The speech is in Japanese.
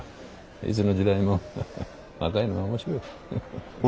いつの時代もハハ若いのは面白い。